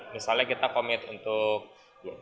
misalnya kita komit untuk